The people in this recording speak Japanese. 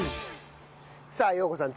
さあ陽子さん。